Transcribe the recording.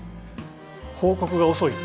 「報告が遅い。